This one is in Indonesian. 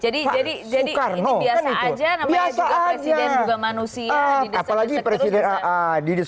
jadi jadi jadi ini biasa aja namanya juga presiden juga manusia